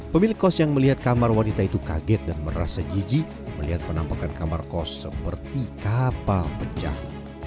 pemilik kos yang melihat kamar wanita itu kaget dan merasa giji melihat penampakan kamar kos seperti kapal pecah